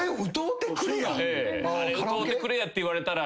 歌うてくれやって言われたら。